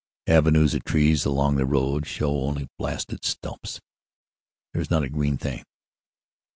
Avenues of trees along the road show only blasted stumps. There is not a green thing.